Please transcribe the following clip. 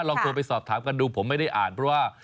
ลองโทรไปสอบถามกันดูผมไม่ได้อ่านเพราะว่า